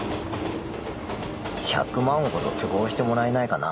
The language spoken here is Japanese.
１００万ほど都合してもらえないかな？